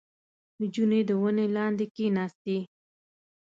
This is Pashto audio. • نجونه د ونې لاندې کښېناستې.